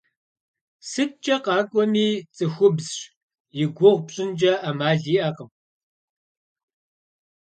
СыткӀэ къакӀуэми цӀыхубзщ игугъу пщӀынкӀэ Ӏэмал иӀэкъым.